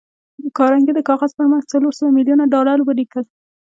کارنګي د کاغذ پر مخ څلور سوه ميليونه ډالر ولیکل